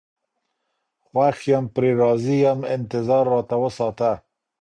خوښ يم پرې راضي يم انتـظارراتـــه وساته